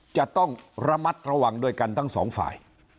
จะต้องระมัดระวังด้วยกันทั้งสองฝ่าย